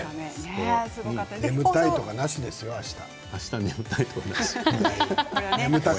眠たいとかなしですよ、あした。